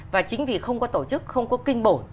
và chính vì không có tổ chức không có kinh bổ